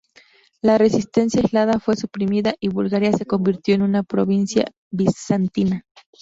La resistencia aislada fue suprimida y Bulgaria se convirtió en una provincia bizantina.